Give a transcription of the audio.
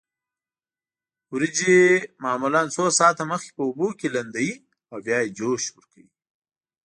وریجې معمولا څو ساعته مخکې په اوبو کې لمدوي او بیا یې جوش ورکوي.